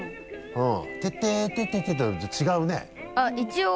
うん。